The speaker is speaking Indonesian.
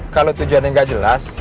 kalau tujuannya gak jelas